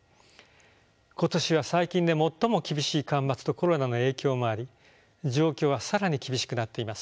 今年は最近で最も厳しい干ばつとコロナの影響もあり状況は更に厳しくなっています。